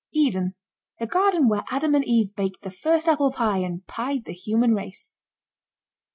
EDEN. The garden where Adam and Eve baked the first apple pie and pied the human race.